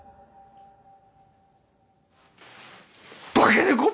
化け猫！？